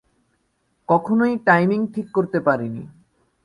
কখনোই টাইমিং ঠিক করতে পারিনি।